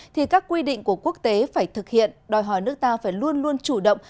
thì các quy định của quốc tế phải thực hiện đòi hỏi nước ta phải luôn luôn chủ động